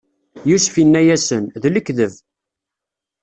Yusef inna-yasen: D lekdeb!